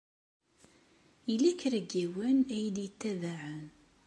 Yella kra n yiwen i yi-d-itabaɛen.